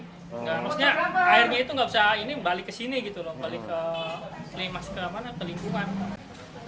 nah maksudnya airnya itu nggak bisa ini balik ke sini gitu loh balik ke limas ke mana ke lingkungan